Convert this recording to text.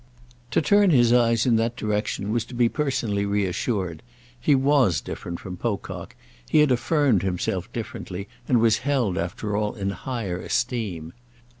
To turn his eyes in that direction was to be personally reassured; he was different from Pocock; he had affirmed himself differently and was held after all in higher esteem.